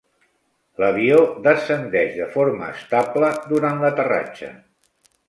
L'avió descendeix de forma estable durant l'aterratge.